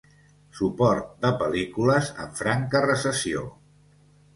Suport de pel·lícules en franca recessió.